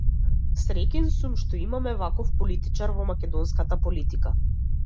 Среќен сум што имаме ваков политичар во македонската политика.